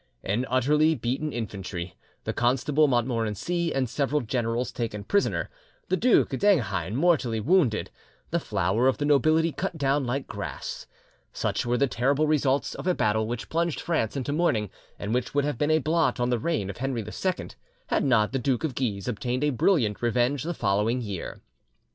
An utterly beaten infantry, the Constable Montmorency and several generals taken prisoner, the Duke d'Enghien mortally wounded, the flower of the nobility cut down like grass,—such were the terrible results of a battle which plunged France into mourning, and which would have been a blot on the reign of Henry II, had not the Duke of Guise obtained a brilliant revenge the following year.